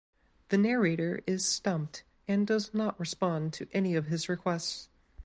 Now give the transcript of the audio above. The narrator is stumped and does not respond to any of his requests.